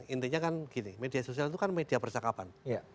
intinya kan gini media sosial itu kan media percakapan